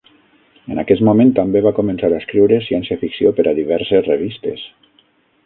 En aquest moment també va començar a escriure ciència ficció per a diverses revistes.